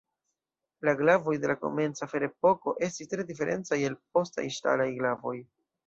La glavoj de la komenca Ferepoko estis tre diferencaj el postaj ŝtalaj glavoj.